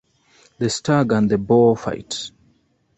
The stag and the boar fight.